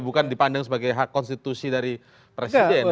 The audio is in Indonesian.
bukan dipandang sebagai hak konstitusi dari presiden